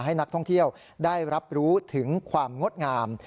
ให้นักท่องเที่ยวได้รับรู้ถึงความงดงาม